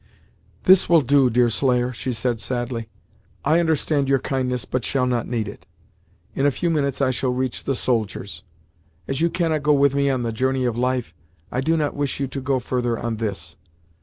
"This will do, Deerslayer," she said sadly. "I understand your kindness but shall not need it. In a few minutes I shall reach the soldiers. As you cannot go with me on the journey of life, I do not wish you to go further on this.